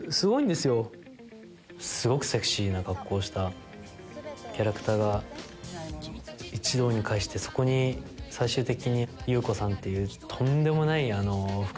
すごくセクシーな格好をしたキャラクターが一堂に会してそこに最終的に侑子さんっていう。